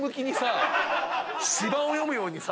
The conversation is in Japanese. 芝を読むようにさ。